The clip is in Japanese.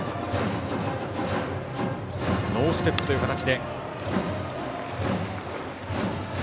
ノーステップという形で。